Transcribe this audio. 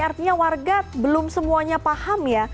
artinya warga belum semuanya paham ya